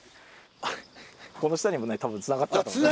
この下にもね多分つながってたと思います。